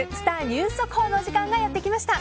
ニュース速報のお時間がやってきました。